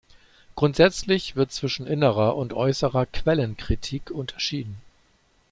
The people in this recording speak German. Grundsätzlich wird zwischen innerer und äußerer Quellenkritik unterschieden.